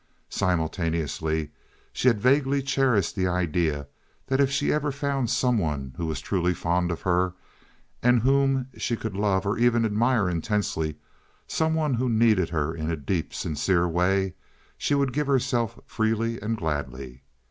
Simultaneously she had vaguely cherished the idea that if she ever found some one who was truly fond of her, and whom she could love or even admire intensely—some one who needed her in a deep, sincere way—she would give herself freely and gladly.